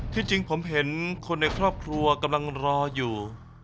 ที่จริงผมเห็นคนในครอบครัวกำลังรออยู่